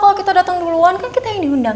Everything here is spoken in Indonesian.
kalau kita datang duluan kan kita yang diundang